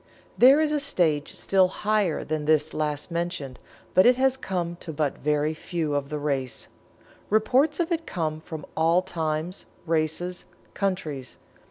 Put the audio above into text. There is a stage still higher than this last mentioned but it has come to but very few of the race. Reports of it come from all times, races, countries.